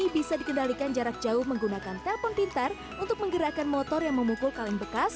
bisa dikendalikan jarak jauh menggunakan telpon pintar untuk menggerakkan motor yang memukul kaleng bekas